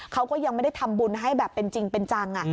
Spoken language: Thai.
เขาก็ยังไม่ได้ทำบุญให้แบบเป็นจริงเป็นจัง